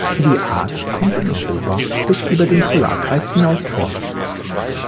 Die Art kommt in Europa, bis über den Polarkreis hinaus vor.